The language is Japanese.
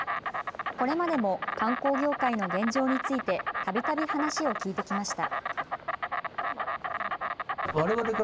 これまでも観光業界の現状について、たびたび話を聞いてきました。